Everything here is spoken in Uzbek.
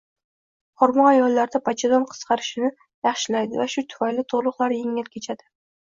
Xurmo ayollarda bachadon qisqarishini yaxshilaydi va shu tufayli tugʻruqlar yengil kechadi;